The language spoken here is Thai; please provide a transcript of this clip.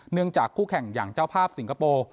จากคู่แข่งอย่างเจ้าภาพสิงคโปร์